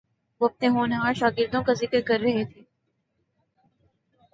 وہ اپنے ہونہار شاگردوں کا ذکر کر رہے تھے